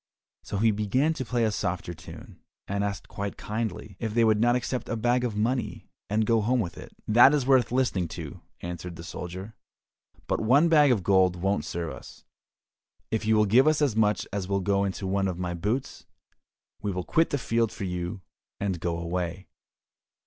So he began to play a softer tune, and asked quite kindly, if they would not accept a bag of money, and go home with it? "That is worth listening to," answered the soldier, "but one bag of gold won't serve us, if you will give as much as will go into one of my boots, we will quit the field for you and go away."